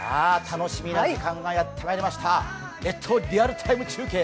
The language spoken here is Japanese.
楽しみな時間がやってまいりました、「列島リアルタイム中継」